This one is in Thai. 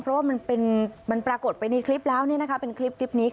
เพราะว่ามันปรากฏไปในคลิปแล้วเป็นคลิปนี้